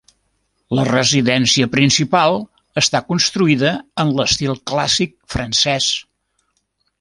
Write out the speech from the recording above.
La residència principal està construïda en l'estil clàssic francès.